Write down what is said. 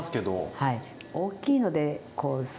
はい。